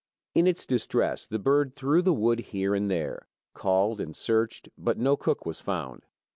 In its distress the bird threw the wood here and there, called and searched, but no cook was to be found!